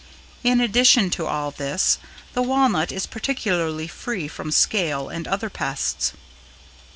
In addition to all this, the walnut is particularly free from scale and other pests.